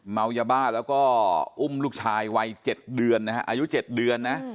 เมายบ้าและก็อุ้มลูกชายอายุ๗เดือน